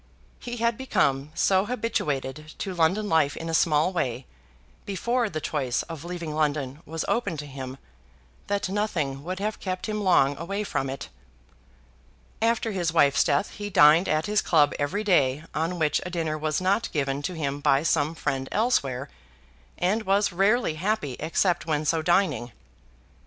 He had become so habituated to London life in a small way, before the choice of leaving London was open to him, that nothing would have kept him long away from it. After his wife's death he dined at his club every day on which a dinner was not given to him by some friend elsewhere, and was rarely happy except when so dining.